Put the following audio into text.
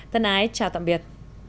tân ái chào tạm biệt